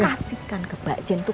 kamu kasihkan ke mbak jen tuh